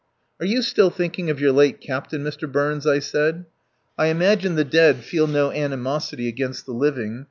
"Are you still thinking of your late captain, Mr. Burns?" I said. "I imagine the dead feel no animosity against the living.